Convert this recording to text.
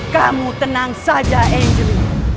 kamu tenang saja angel